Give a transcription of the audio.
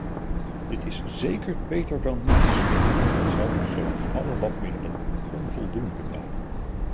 Dit is zeker beter dan niets, maar het zal zoals alle lapmiddelen onvoldoende blijken.